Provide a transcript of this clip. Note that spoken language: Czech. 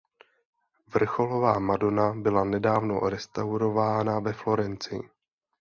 Vrcholová madona byla nedávno restaurována ve Florencii.